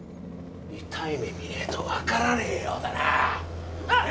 痛い目見ねぇと分からねぇようだなぁあっ！